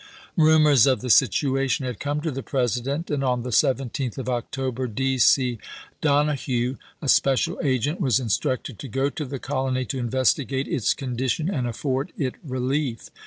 Eumors of the situa tion had come to the President, and on the 17th of October, D. C. Donnohue, a special agent, was instructed to go to the colony to investigate its condition and afford it relief.